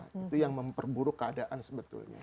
itu yang memperburuk keadaan sebetulnya